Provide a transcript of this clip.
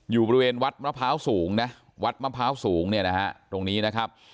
อยู่บริเวณวัดมะพร้าวสูงนะวัดมะพร้าวสูงเนี่ยนะฮะตรงนี้นะครับ